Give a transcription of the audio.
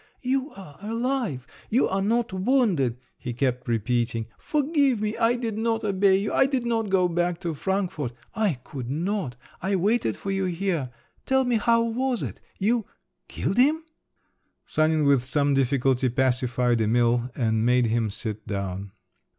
"You are alive, you are not wounded!" he kept repeating. "Forgive me, I did not obey you, I did not go back to Frankfort … I could not! I waited for you here … Tell me how was it? You … killed him?" Sanin with some difficulty pacified Emil and made him sit down.